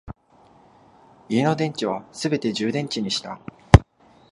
家の電池はすべて充電池にした